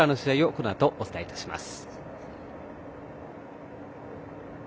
このあとお伝えいたします。